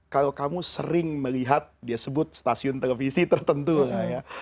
kalau kamu sering melihat dia sebut stasiun televisi tertentu lah ya